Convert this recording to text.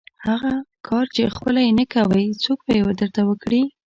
هغه کار چې خپله یې نه کوئ، څوک به یې درته وکړي؟